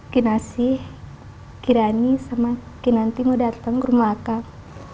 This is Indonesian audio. kinasih kirani sama kinanti mau datang ke rumah akang